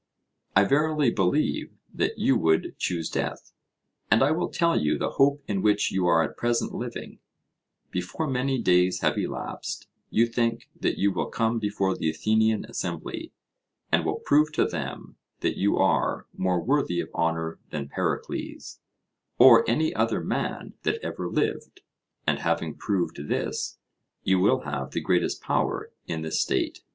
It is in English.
I verily believe that you would choose death. And I will tell you the hope in which you are at present living: Before many days have elapsed, you think that you will come before the Athenian assembly, and will prove to them that you are more worthy of honour than Pericles, or any other man that ever lived, and having proved this, you will have the greatest power in the state.